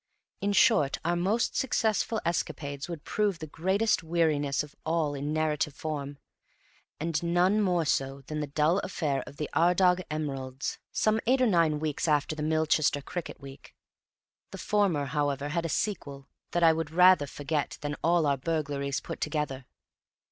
In short, our most successful escapades would prove the greatest weariness of all in narrative form; and none more so than the dull affair of the Ardagh emeralds, some eight or nine weeks after the Milchester cricket week. The former, however, had a sequel that I would rather forget than all our burglaries put together.